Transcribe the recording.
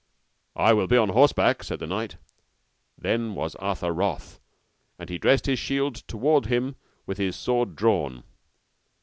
I will be on horseback, said the knight. Then was Arthur wroth, and dressed his shield toward him with his sword drawn.